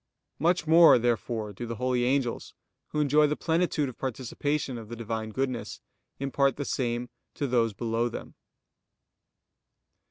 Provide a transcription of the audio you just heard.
Much more therefore do the holy angels, who enjoy the plenitude of participation of the Divine goodness, impart the same to those below them.